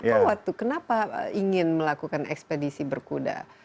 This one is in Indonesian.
apa waktu kenapa ingin melakukan ekspedisi berkuda